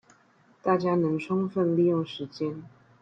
大家能充分利用時間